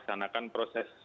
terima kasih pak